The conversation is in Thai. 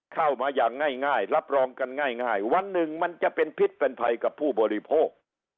เข้ามาอย่างง่ายรับรองกันง่ายวันหนึ่งมันจะเป็นพิษเป็นภัยกับผู้บริโภค